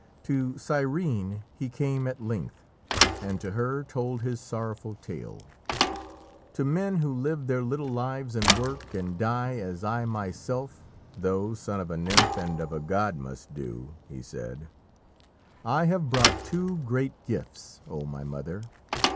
To Cyrene he came at length, and to her told his sorrowful tale: "To men who live their little lives and work and die as I myself though son of a nymph and of a god must do," he said, "I have brought two great gifts, oh my mother.